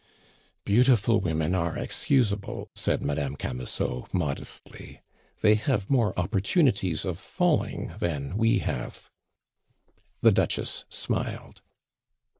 "Beautiful women are excusable," said Madame Camusot modestly. "They have more opportunities of falling than we have." The Duchess smiled.